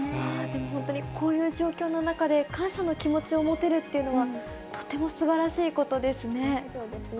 本当にこういう状況の中で、感謝の気持ちを持てるというのは、とてもすばらしいことですね。